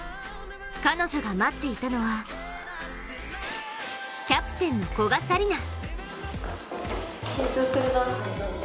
彼女が待っていたのはキャプテンの古賀紗理那。